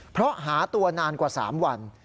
เพราะหาตัวนานกว่า๓วัน